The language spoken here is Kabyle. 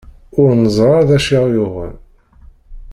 Ur neẓri ara d acu i aɣ-yuɣen.